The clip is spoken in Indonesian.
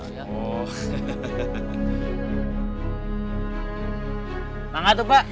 selamat ulang tahun pak